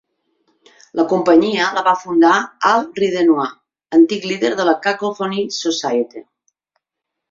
La companyia la va fundar Al Ridenour, antic líder de la Cacophony Society.